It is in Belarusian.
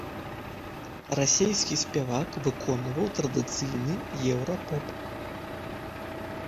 Расійскі спявак выконваў традыцыйны еўра-поп.